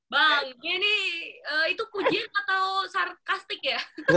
bang ini itu kujian atau sarkastik ya